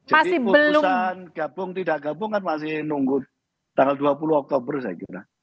jadi putusan gabung tidak gabung kan masih nunggu tanggal dua puluh oktober saya kira